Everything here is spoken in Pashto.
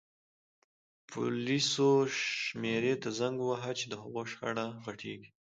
پولیسو شمېرې ته زنګ ووهه چې د هغوی شخړه غټیږي